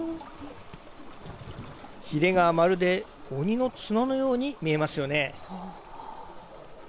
ひれがまるで鬼の角のように見えますよね。